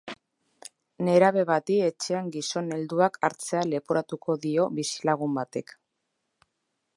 Nerabe bati etxean gizon helduak hartzea leporatuko dio bizilagun batek.